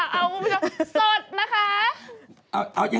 เอาสดนะคะ